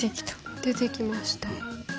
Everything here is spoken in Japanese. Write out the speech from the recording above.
出てきました。